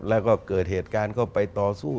แล้วก็เกิดเหตุการณ์ก็ไปต่อสู้